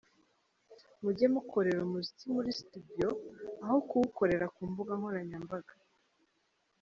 Mujye mukorera umuziki muri studio, aho kuwukorera ku mbuga nkoranyambaga.